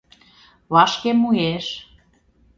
Вашке муэш.